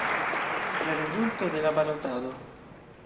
La rezulto de la balotado.